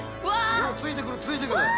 ついてくるついてくる！